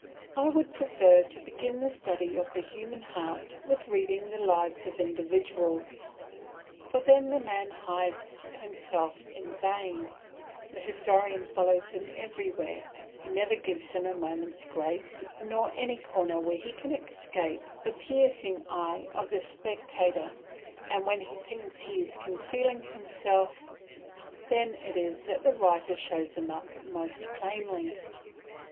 I would prefer to begin the study of the human heart with reading the lives of individuals; for then the man hides himself in vain, the historian follows him everywhere; he never gives him a moment's grace nor any corner where he can escape the piercing eye of the spectator; and when he thinks he is concealing himself, then it is that the writer shows him up most plainly.